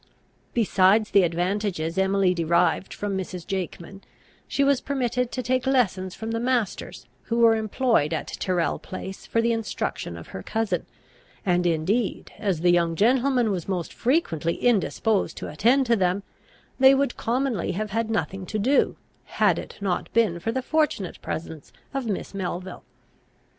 Besides the advantages Emily derived from Mrs. Jakeman, she was permitted to take lessons from the masters who were employed at Tyrrel Place for the instruction of her cousin; and indeed, as the young gentleman was most frequently indisposed to attend to them, they would commonly have had nothing to do, had it not been for the fortunate presence of Miss Melville.